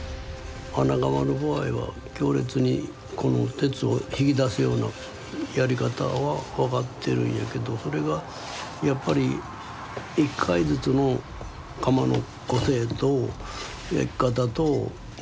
穴窯の場合は強烈にこの鉄を引き出すようなやり方は分かってるんやけどそれがやっぱり１回ずつの窯の個性と焼き方とによっても全て変わってくる。